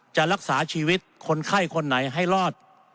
จะรักษาชีวิตคนไข้คนไหนให้รอด